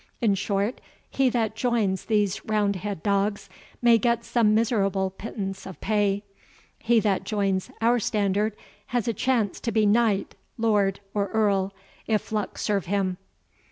In short, he that joins these Roundhead dogs may get some miserable pittance of pay he that joins our standard has a chance to be knight, lord, or earl, if luck serve him."